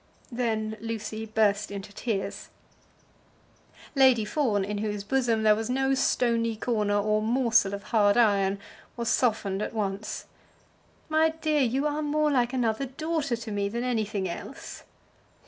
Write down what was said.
Then Lucy burst into tears. Lady Fawn, in whose bosom there was no stony corner or morsel of hard iron, was softened at once. "My dear, you are more like another daughter to me than anything else."